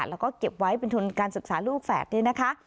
แล้วก็เก็บไว้เป็นทุนการศึกษาลูกแฝดนี่นะคะ